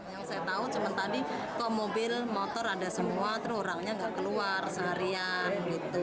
yang saya tahu cuma tadi kok mobil motor ada semua terus orangnya nggak keluar seharian gitu